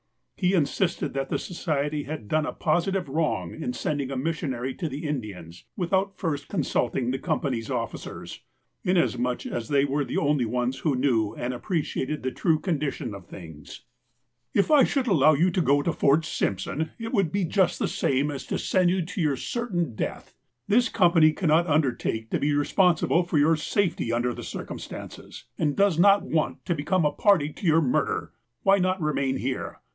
He insisted that the Society had done a positive wrong in sending a missionary to the Indians without first con sulting the company's officers, inasmuch as they were the only ones who knew and appreciated the true condition of things. 43 U THE APOSTLE OF ALASKA '' If I should allow you to go to Fort Simpson, it would be just the same as to send you to your certain death. This company cannot undertake to be responsible for your safety, under the circumstances, and does not want to become a party to your murder. Why not remain here